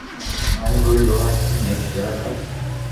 ماري ٻولي لوھارڪي ۾ ايڪ جيوا لفظ